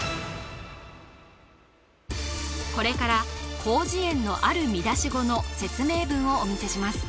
これから広辞苑のある見出し語の説明文をお見せします